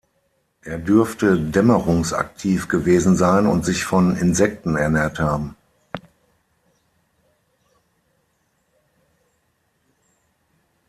Er dürfte dämmerungsaktiv gewesen sein und sich von Insekten ernährt haben.